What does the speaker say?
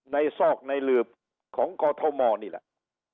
ซอกในหลืบของกอทมนี่แหละ